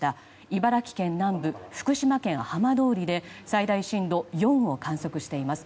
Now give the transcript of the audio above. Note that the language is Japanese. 茨城県南部、福島県浜通りで最大震度４を観測しています。